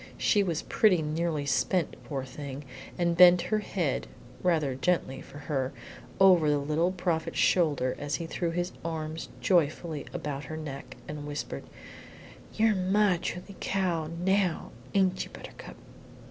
She was pretty nearly spent, poor thing, and bent her head (rather gently for her) over the Little Prophet's shoulder as he threw his arms joyfully about her neck, and whispered, "You're my truly cow now, ain't you, Buttercup?"